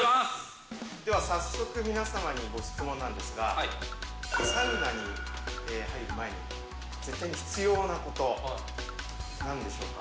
では早速、皆様にご質問なんですが、サウナに入る前に、絶対に必要なこと、なんでしょうか？